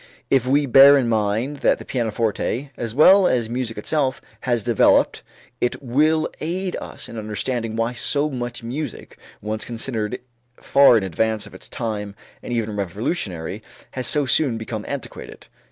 If we bear in mind that the pianoforte, as well as music itself, has developed, it will aid us in understanding why so much music, once considered far in advance of its time and even revolutionary, has so soon become antiquated.